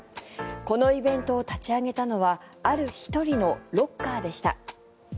このイベントを立ち上げたのはある１人のロッカーでした。